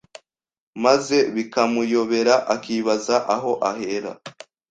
maze bikamuyobera akibaza aho ahera